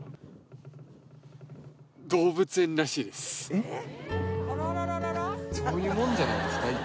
えっ？